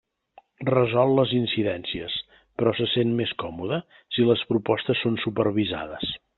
Resol les incidències però se sent més còmode si les propostes són supervisades.